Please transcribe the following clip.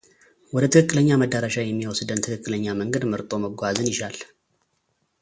ወደ ትክክለኛ መዳረሻ የሚወስድን ትክክለኛ መንገድ መርጦ መጓዝን ይሻል